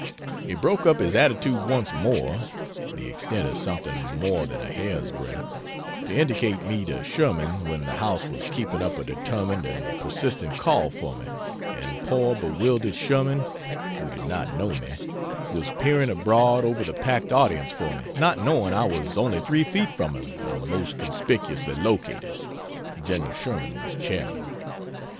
He broke up his attitude once more the extent of something more than a hair's breadth to indicate me to Sherman when the house was keeping up a determined and persistent call for me, and poor bewildered Sherman, (who did not know me), was peering abroad over the packed audience for me, not knowing I was only three feet from him and most conspicuously located, (Gen. Sherman was Chairman.)